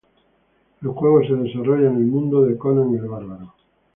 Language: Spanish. El juego se desarrolla en el mundo de Conan el Bárbaro.